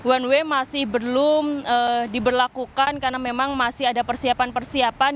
one way masih belum diberlakukan karena memang masih ada persiapan persiapan